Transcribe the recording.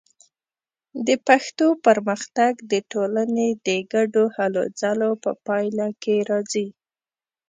د پښتو پرمختګ د ټولنې د ګډو هلو ځلو په پایله کې راځي.